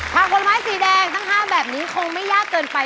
ผักผลไม้สีแดงทั้ง๕แบบนี้คงไม่ยากเกินไป